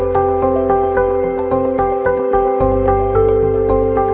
จริงจริงจริงจริงพี่แจ๊คเฮ้ยสวยนะเนี่ยเป็นเล่นไป